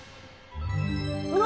うわ！